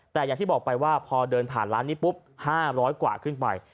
แต่อย่างที่บอกไปว่าพอเดินผ่านร้านนี้ปุ๊บ๕๐๐กว่าขึ้นไป